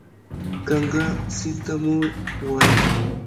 ګنګا سیند ته مور وايي.